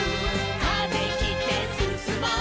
「風切ってすすもう」